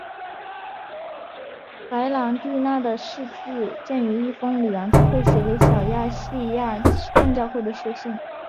白郎弟娜的事迹见于一封里昂教会写给小亚细亚众教会的书信。